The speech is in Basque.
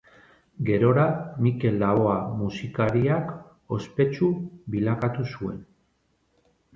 Gerora Mikel Laboa musikariak ospetsu bilakatu zuen.